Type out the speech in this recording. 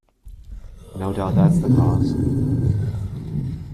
No doubt that's the cause.